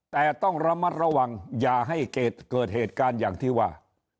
แต่ต้องระมัดระวังอย่าให้เกิดเหตุการณ์อย่างที่ว่า